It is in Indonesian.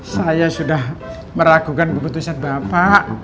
saya sudah meragukan keputusan bapak